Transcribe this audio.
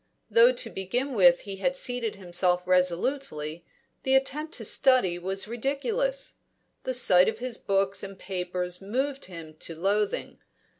Though to begin with he had seated himself resolutely, the attempt to study was ridiculous; the sight of his books and papers moved him to loathing.